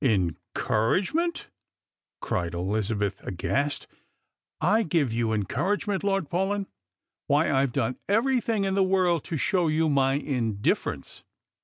"Encouragement!" cried Elizabeth, aghast; "I give yoti encouragement, Lord Paulyn ! Why, I've done everything in the world to show you my indiff'erence."